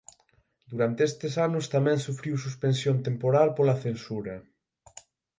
Durante estes anos tamén sufriu suspensión temporal pola censura.